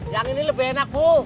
yang ini lebih enak bu